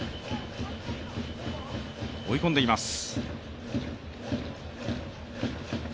追い込んでいます。